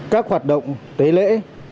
các hoạt động tế lễ